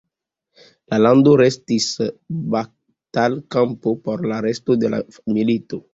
La lando restis batalkampo por la resto de la milito.